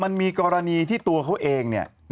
มันมีกรณีที่ตัวเขาเอง